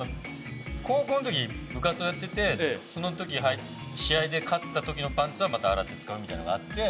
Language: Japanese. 高校のとき部活をやっててそのとき試合で勝ったときのパンツはまた洗って使うみたいのがあって。